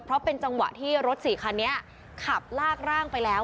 เพราะเป็นจังหวะที่รถสี่คันนี้ขับลากร่างไปแล้ว